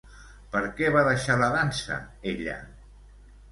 Per què va deixar la dansa ella?